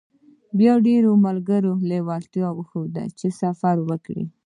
بيا ډېرو ملګرو لېوالتيا وښوده چې سفر وکړي.